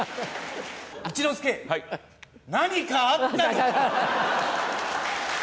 一之輔、何かあったのか？